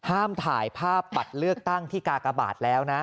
ห้ามถ่ายภาพบัตรเลือกตั้งที่กากบาทแล้วนะ